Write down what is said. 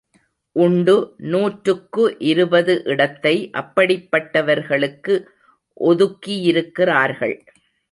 உண்டு நூற்றுக்கு இருபது இடத்தை அப்படிப்பட்டவர்களுக்கு ஒதுக்கியிருக்கிறார்கள்.